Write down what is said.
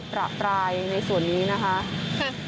ประปรายในส่วนนี้นะคะ